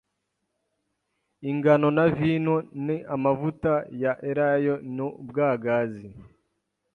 ingano na vino n amavuta ya elayo n ubwagazi